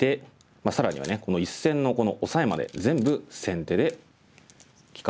更にはこの１線のオサエまで全部先手で利かすことができます。